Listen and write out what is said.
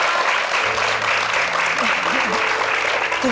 คุณน่าสวัสดีนะครับ